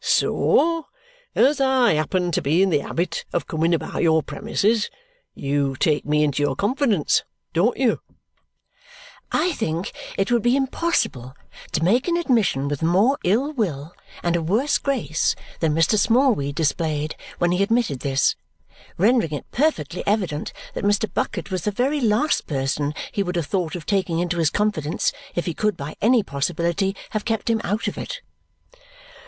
"So, as I happen to be in the habit of coming about your premises, you take me into your confidence, don't you?" I think it would be impossible to make an admission with more ill will and a worse grace than Mr. Smallweed displayed when he admitted this, rendering it perfectly evident that Mr. Bucket was the very last person he would have thought of taking into his confidence if he could by any possibility have kept him out of it.